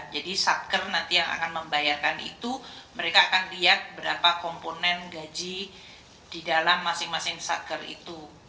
jadi satker nanti yang akan membayarkan itu mereka akan lihat berapa komponen gaji di dalam masing masing satker itu